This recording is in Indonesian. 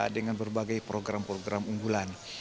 dengan berbagai program program unggulan